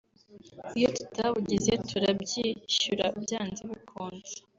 iyo tutabugize turabyishyura byanze bikunze